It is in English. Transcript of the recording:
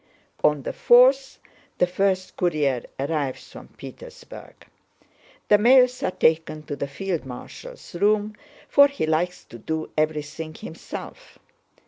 "On the 4th, the first courier arrives from Petersburg. The mails are taken to the field marshal's room, for he likes to do everything himself.